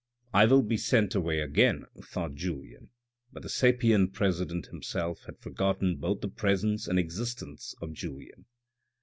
" I will be sent away again," thought Julien, but the sapient president himself had forgottoti both the presence and existence of Julien.